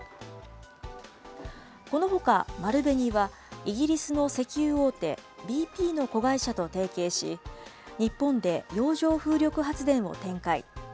このほか、丸紅はイギリスの石油大手、ＢＰの子会社と提携し、日本で洋上風力発電を展開。